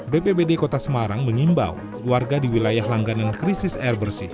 bpbd kota semarang mengimbau warga di wilayah langganan krisis air bersih